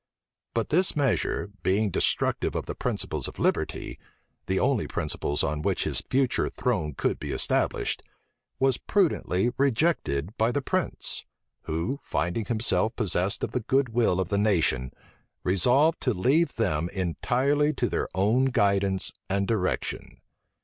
But this measure, being destructive of the principles of liberty, the only principles on which his future throne could be established, was prudently rejected by the prince; who, finding himself possessed of the good will of the nation, resolved to leave them entirely to their own guidance and direction.